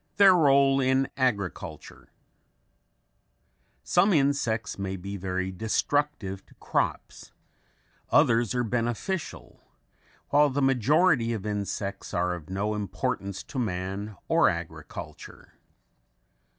Their Role in Agriculture Some insects may be very destructive to crops, others are beneficial, while the majority of insects are of no importance to man or agriculture.